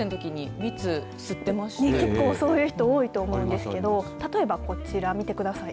結構そういう人多いと思うんですけど例えばこちら見てください。